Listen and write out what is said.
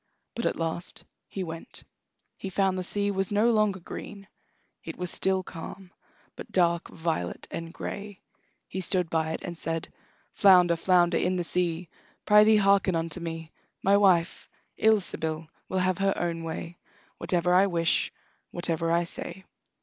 But at last he went. He found the sea was no longer green; it was still calm, but dark violet and gray. He stood by it and said: "Flounder, flounder in the sea, Prythee, hearken unto me: My wife, Ilsebil, will have her own way Whatever I wish, whatever I say."